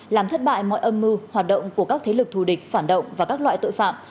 làm thất bại mọi âm mưu hoạt động của các thế lực thù địch phản động và các loại tội phạm